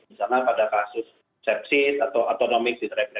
misalnya pada kasus sepsis atau autonomic dysreflexia